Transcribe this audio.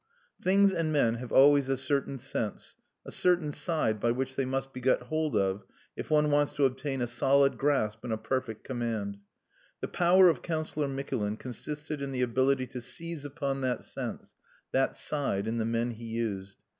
Things and men have always a certain sense, a certain side by which they must be got hold of if one wants to obtain a solid grasp and a perfect command. The power of Councillor Mikulin consisted in the ability to seize upon that sense, that side in the men he used.